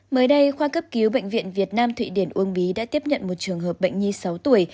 mới đây khoa cấp cứu bệnh viện việt nam thụy điển uông bí đã tiếp nhận một trường hợp bệnh nhi sáu tuổi